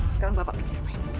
sekarang bapak pergi